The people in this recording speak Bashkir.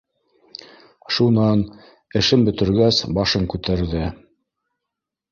Шунан, эшен бөтөргәс, башын күтәрҙе